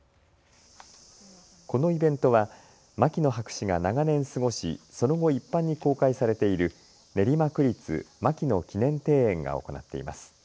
このイベントは牧野博士が長年過ごし、その後一般に公開されている練馬区立牧野記念庭園が行っています。